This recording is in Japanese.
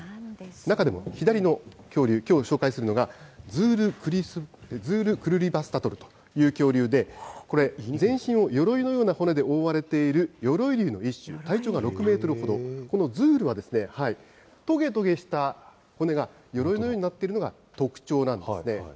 中でも左の恐竜、きょう紹介するのが、ズール・クルリヴァスタトルという恐竜で、これ、全身をよろいのような骨で覆われているよろい竜の一種、体長が６メートルほど、このズールは、とげとげした骨がよろいのようになっているのが特徴なんですね。